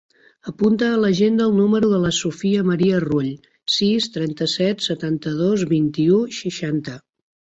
Apunta a l'agenda el número de la Sofia maria Rull: sis, trenta-set, setanta-dos, vint-i-u, seixanta.